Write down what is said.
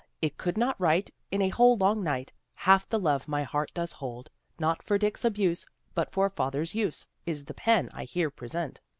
It could not write, in a whole long night, Half the love my heart does hold. Not for Dick's abuse, but for father's use, Is the pen I here present.